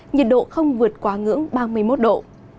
nhiệt độ không vượt quá ngưỡng ba mươi một độ